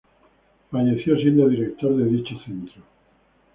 Falleció siendo director de dicho centro.